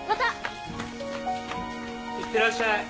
いってらっしゃい。